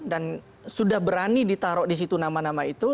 dan sudah berani ditaruh di situ nama nama itu